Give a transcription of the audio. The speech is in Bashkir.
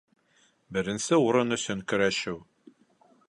Беренсе урын өсөн көрәшеү